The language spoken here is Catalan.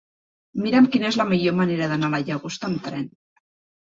Mira'm quina és la millor manera d'anar a la Llagosta amb tren.